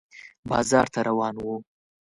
بازار ته روان و